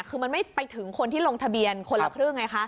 คือมันไม่ไปถึงคนที่ลงทะเบียนคนละครึ่งไงคะ